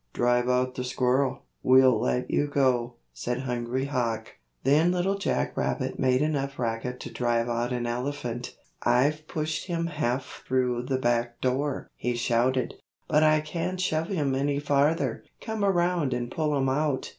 "Drive out the squirrel; we'll let you go," said Hungry Hawk. Then Little Jack Rabbit made enough racket to drive out an elephant. "I've pushed him half through the back door," he shouted, "but I can't shove him any farther. Come around and pull him out."